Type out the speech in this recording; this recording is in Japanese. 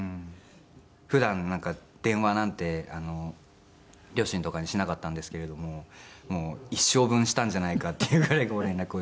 普段電話なんて両親とかにしなかったんですけれどももう一生分したんじゃないかっていうぐらい連絡をして。